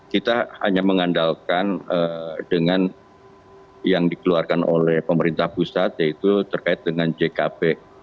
kita hanya mengandalkan dengan yang dikeluarkan oleh pemerintah pusat yaitu terkait dengan jkp